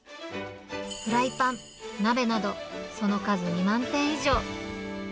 フライパン、鍋など、その数２万点以上。